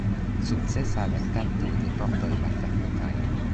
Sukcesa venkanto de pordoj malfermitaj.